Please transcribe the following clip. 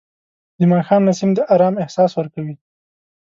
د ماښام نسیم د آرام احساس ورکوي